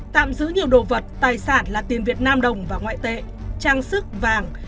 tạm giữ nhiều đồ vật tài sản là tiền việt nam đồng và ngoại tệ trang sức vàng